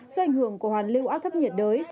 do ảnh hưởng của hoàn lưu áp thấp nhiệt đới